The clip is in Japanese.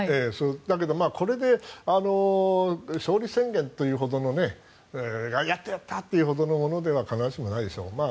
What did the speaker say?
だけど、これで勝利宣言というほどのやった！やった！というほどのものでは必ずしもないでしょう。